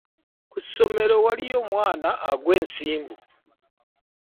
Ku ssomero waliyo omwana agaw ensimbu .